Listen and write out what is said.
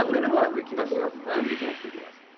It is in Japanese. できますできます。